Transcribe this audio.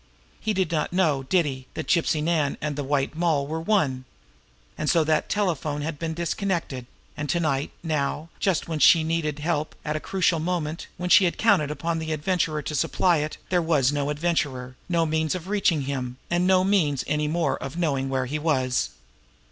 He did not know, did he, that Gypsy Nan and the White Moll were one! And so that telephone had been disconnected and to night, now, just when she needed help at a crucial moment, when she had counted upon the Adventurer to supply it, there was no Adventurer, no means of reaching him, and no means any more of knowing where he was!